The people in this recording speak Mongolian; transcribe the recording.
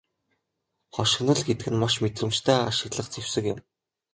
Хошигнол гэдэг нь маш мэдрэмжтэй ашиглах зэвсэг юм.